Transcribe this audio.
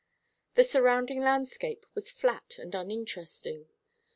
The surrounding landscape was flat and uninteresting.